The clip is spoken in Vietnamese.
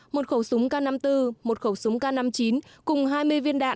một khẩu súng k năm mươi bốn một khẩu súng k năm mươi chín cùng hai mươi viên đạn